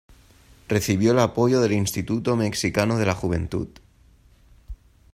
Recibió el apoyo de Instituto Mexicano de la Juventud.